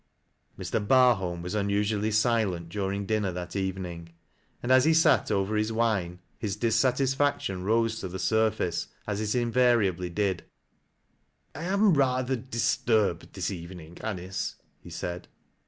38 TEAT LASS a LO WRISTS. Mr. Barholm was unusually silent during dinner thai evening, and as he sat over his wine, his dissatisfactior rose to the surface, as it invariably did. " I am rather disturbed this evening, Anice," he said.